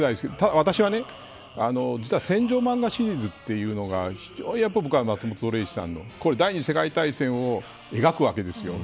私は実は戦場漫画シリーズというのが非常に僕は松本零士さんの第２次世界大戦を描くわけですよ。